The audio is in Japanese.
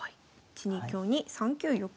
１二香に３九玉。